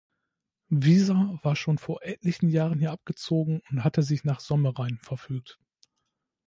Wieser war schon vor etlichen Jahren hier abgezogen und hatte sich nach Sommerein verfügt.